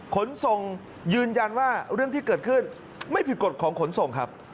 ขนส่งยืนยันว่าเรื่องที่เกิดขึ้นไม่ผิดกฎของขนส่งครับ